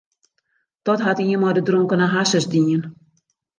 Dat hat ien mei de dronkene harsens dien.